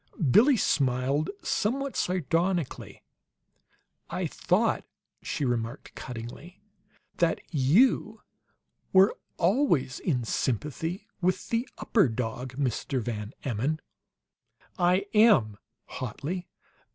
Billie smiled somewhat sardonically. "I thought," she remarked, cuttingly, "that you were always in sympathy with the upper dog, Mr. Van Emmon!" "I am!" hotly.